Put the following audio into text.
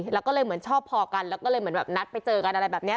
แล้วก็เลยเหมือนชอบพอกันแล้วก็เลยเหมือนแบบนัดไปเจอกันอะไรแบบนี้